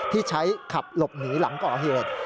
ที่ใช้ขับหลบหนีหลังก่อเหตุ